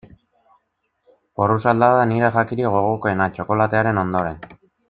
Porrusalda da nire jakirik gogokoena, txokolatearen ondoren.